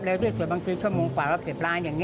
เร็วที่สุดบางทีชั่วมุมกว่าก็๑๐ล้านอย่างนี้